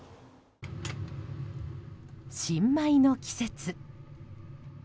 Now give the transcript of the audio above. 新米の季節。